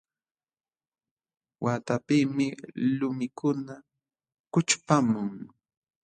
Waqtapiqmi lumikuna kućhpamun.